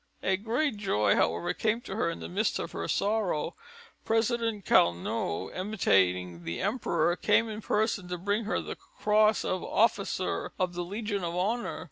A great joy, however, came to her in the midst of her sorrow. President Carnot, imitating the Emperor, came in person to bring her the Cross of Officer of the Legion of Honour.